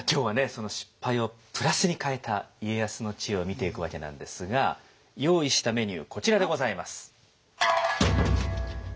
その失敗をプラスに変えた家康の知恵を見ていくわけなんですが用意したメニューこちらでございます。